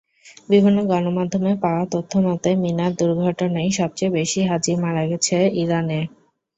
বিভিন্ন গণমাধ্যমে পাওয়া তথ্যমতে, মিনার দুর্ঘটনায় সবচেয়ে বেশি হাজি মারা গেছেন ইরানের।